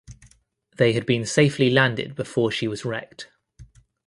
They had been safely landed before she was wrecked.